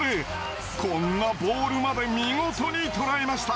こんなボールまで見事にとらえました。